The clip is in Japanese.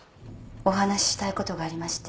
お話ししたいことがありまして。